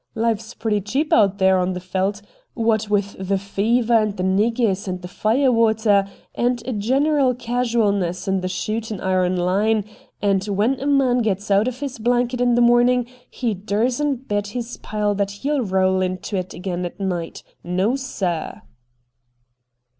Life's pretty cheap out there on the Yeldt, what Avith the fever and the niggers and the fire water and a general casualness in the shootin' iron line, and when a man gets out of his blanket in the morning he dursn't bet his pile that hell roll into it again at night. Xo, sir.'